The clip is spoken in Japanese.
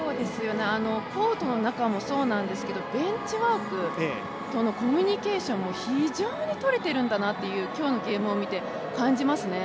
コートの中もそうなんですが、ベンチワークとのコミュニケーションも非常にとれているんだなという、今日のゲームを見て感じますね。